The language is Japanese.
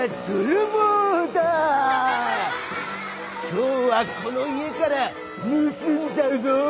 今日はこの家から盗んじゃうぞー。